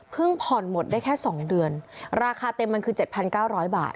ผ่อนหมดได้แค่๒เดือนราคาเต็มมันคือ๗๙๐๐บาท